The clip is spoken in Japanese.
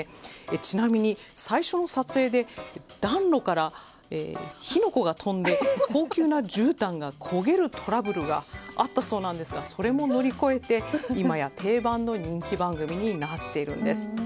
ちなみに、最初の撮影で暖炉から火の粉が飛んで高級なじゅうたんが焦げるトラブルがあったそうなんですがそれも乗り越えていまや定番の人気番組になっています。